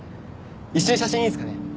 一緒に写真いいですかね？